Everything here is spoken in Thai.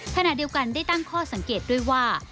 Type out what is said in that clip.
ขณะเดียวกันได้ตั้งข้อสังเกตด้วยว่า